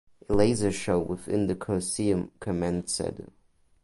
A laser show within the Coliseum commenced.